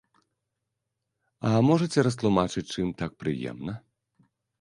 А можаце растлумачыць чым так прыемна?